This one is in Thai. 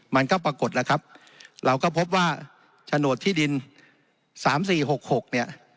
มันก็ปรากฏแล้วครับเราก็พบว่าโฉนดที่ดิน๓๔๖๖เนี่ย